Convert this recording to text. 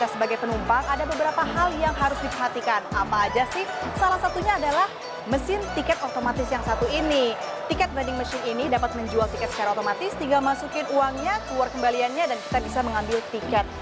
secara otomatis tinggal masukin uangnya keluar kembaliannya dan kita bisa mengambil tiket